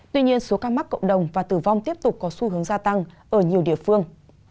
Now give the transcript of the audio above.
tuy nhiên số ca mắc cộng đồng và tử vong tiếp tục có xu hướng gia tăng ở nhiều địa phương